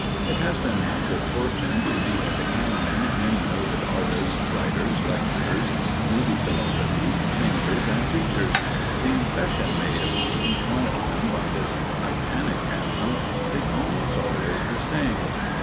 It has been my good fortune to meet at the cañon many noted artists, writers, lecturers, "movie" celebrities, singers, and preachers. The impression made upon each one of them by this titanic chasm is almost always the same.